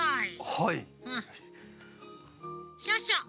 はい。